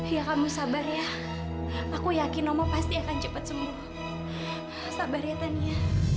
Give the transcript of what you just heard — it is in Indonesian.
ya kamu sabar ya aku yakin om pasti akan cepat sembuh sabar ya tania